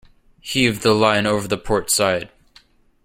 Heave the line over the port side.